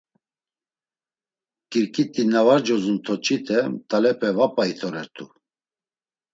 K̆irǩit̆i na var cuzun toç̌ite mt̆alepe va p̌a itorert̆u.